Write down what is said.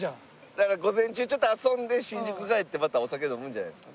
だから午前中ちょっと遊んで新宿帰ってまたお酒飲むんじゃないですか？